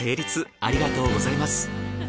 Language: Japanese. ありがとうございます。